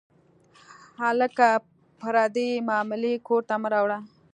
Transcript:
هلکه، پردۍ معاملې کور ته مه راوړه.